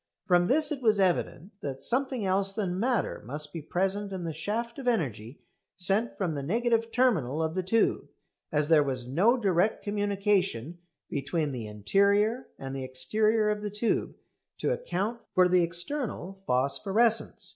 From this it was evident that something else than matter must be present in the shaft of energy sent from the negative terminal of the tube, as there was no direct communication between the interior and the exterior of the tube to account for the external phosphorescence.